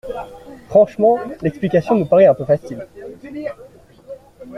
Franchement, l’explication nous paraît un peu facile.